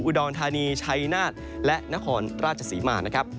อุดรธานีชัยนาฏและนครราชศรีมานะครับ